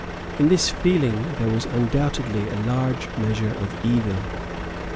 In this feeling there was undoubtedly a large mixture of evil.